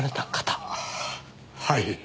はい。